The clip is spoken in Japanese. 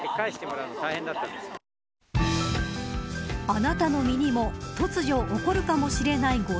あなたの身にも突如、起こるかもしれない誤